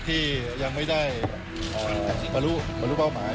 ที่ยังไม่ได้บรรลุเป้าหมาย